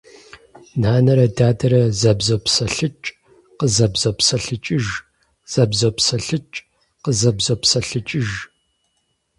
Нанэрэ дадэрэ зэблопсэлъыкӏ – къызэблопсэлъыкӏыж, зэблопсэлъыкӏ – къызэблопсэлъыкӏыж.